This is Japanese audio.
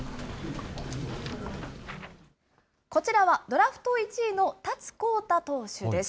こちらは、ドラフト１位の達孝太投手です。